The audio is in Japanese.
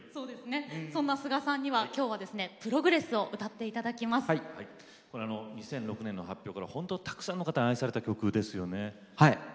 スガさんにはきょうは「Ｐｒｏｇｒｅｓｓ」を２００６年の発表から本当にたくさんの方に愛された曲ですね。